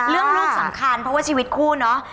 ลูกสำคัญเพราะว่าชีวิตคู่เนาะ